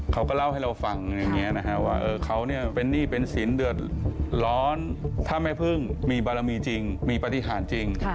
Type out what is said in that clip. เขาก็เล่าให้เราฟังอย่างนี้นะฮะว่าเขาเป็นหนี้เป็นสินเดือดร้อนถ้าแม่พึ่งมีบารมีจริงมีปฏิหารจริง